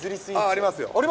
ありますよ。